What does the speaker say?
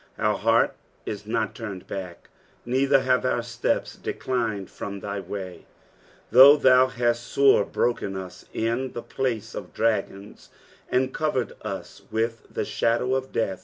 iS Our heart is not turned back, neither have our steps, declined from thy way ; 19 Though thou hast sore broken us in the place of dragons, and covered us with the shadow of death.